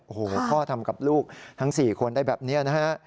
โอ้โหพ่อทำกับลูกทั้ง๔คนได้แบบนี้นะฮะ